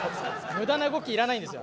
無駄な動きいらないんですよ。